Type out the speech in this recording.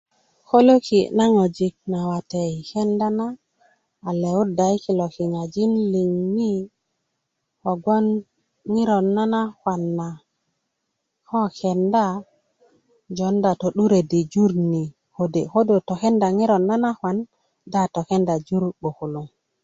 kölöki na ŋojik nawate yi kenda na a lewuda yi kulo kiŋajin liŋ ni kogbon ŋiro nanakwan na ko kenda jounda tö'duret i jur ni kode ko do tokenda ŋiro nanakwan na do a tokenda jur 'bukulung